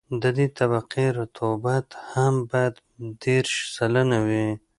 د دې طبقې رطوبت هم باید دېرش سلنه وي